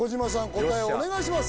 答えをお願いします